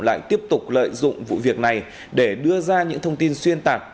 lại tiếp tục lợi dụng vụ việc này để đưa ra những thông tin xuyên tạc